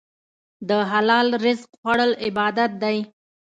د حلال رزق خوړل عبادت دی.